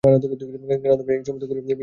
কারণ এই গোস্তে বিষ মিশ্রিত রয়েছে।